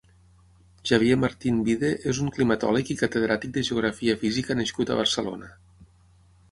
Javier Martín Vide és un climatòleg i catedràtic de Geografia Física nascut a Barcelona.